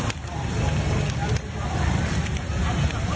น่าจะจับยา